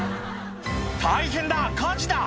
「大変だ火事だ！」